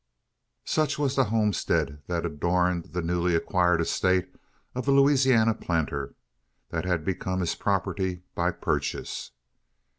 Such was the homestead that adorned the newly acquired estate of the Louisiana planter that had become his property by purchase.